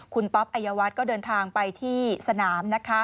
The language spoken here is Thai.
คุณป๊อปอัยวัฒน์ก็เดินทางไปที่สนามนะคะ